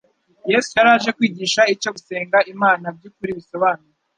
Yesu yari aje kwigisha icyo gusenga Imana by'ukuri bisobanuye